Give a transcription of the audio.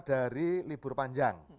dari libur panjang